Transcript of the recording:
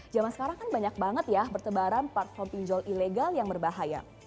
zaman sekarang kan banyak banget ya bertebaran platform pinjol ilegal yang berbahaya